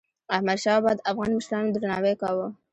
احمدشاه بابا د افغان مشرانو درناوی کاوه.